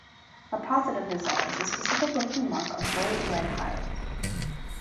A positive result is a specific looking mark of raised red hives.